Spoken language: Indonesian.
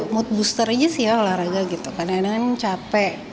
mood booster aja sih ya olahraga gitu kadang kadang capek